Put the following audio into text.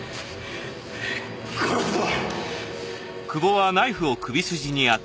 殺すぞ！